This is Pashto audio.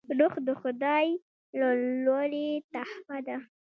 روح د خداي له لورې تحفه ده